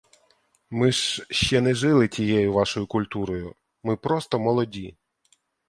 Ми ж ще не жили тією вашою культурою, ми просто молоді.